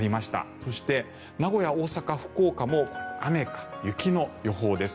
そして名古屋、大阪、福岡も雨か雪の予報です。